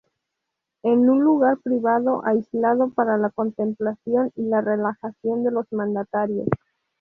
Es un lugar privado, aislado, para la contemplación y la relajación de los mandatarios.